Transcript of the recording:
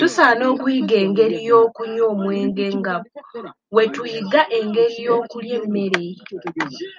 Tusaana okuyiga engeri y'okunywa omwenge nga bwe tuyiga engeri y'okulya emmere.